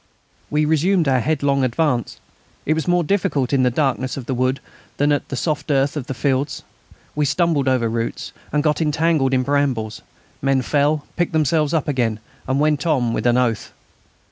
We resumed our headlong advance. It was more difficult in the darkness of the wood than on the soft earth of the fields. We stumbled over roots, and got entangled in brambles; men fell, picked themselves up again, and went on with an oath.